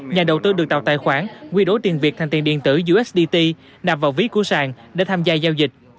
nhà đầu tư được tạo tài khoản quy đối tiền việt thành tiền điện tử usdt nạp vào ví của sản để tham gia giao dịch